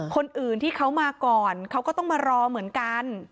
คนอื่นที่เขามาก่อนเขาก็ต้องมารอเหมือนกัน